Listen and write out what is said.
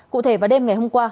cụ thể vào đêm ngày hôm qua